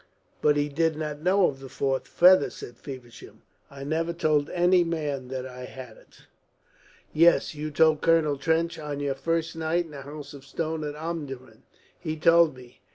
"But he did not know of the fourth feather," said Feversham. "I never told any man that I had it." "Yes. You told Colonel Trench on your first night in the House of Stone at Omdurman. He told me.